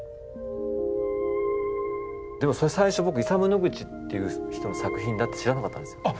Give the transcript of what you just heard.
でも最初イサム・ノグチっていう人の作品だって知らなかったんですよ。